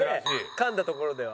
かんだところでは。